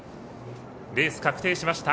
レース確定しました。